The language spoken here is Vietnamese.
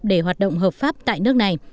để hoạt động hợp pháp tại nước này